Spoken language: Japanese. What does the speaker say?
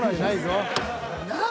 なあ！